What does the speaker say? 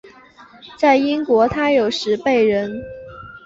在英国他有时被人。